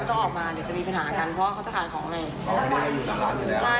ก็ออกมาเดี๋ยวจะมีปัญหากันเพราะว่าเขาจะขายของใหม่ใช่ค่ะใช่นั่งอยู่ข้างร้าน